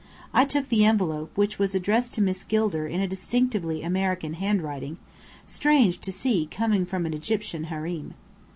I took the envelope, which was addressed to Miss Gilder in a distinctively American handwriting, strange to see coming from an Egyptian harem.